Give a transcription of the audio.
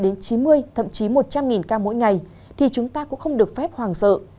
đến chín mươi thậm chí một trăm linh ca mỗi ngày thì chúng ta cũng không được phép hoàng sợ